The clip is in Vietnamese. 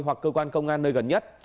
hoặc cơ quan công an nơi gần nhất